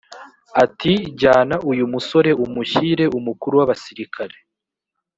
ati jyana uyu musore umushyire umukuru w abasirikare